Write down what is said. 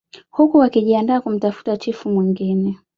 Huku wakijiandaa kumtafuta chifu mwingine